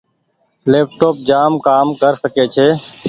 ليپ ٽوپ جآم ڪر ڪسي ڇي ۔